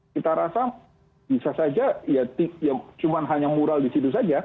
kita rasa bisa saja ya cuma hanya mural di situ saja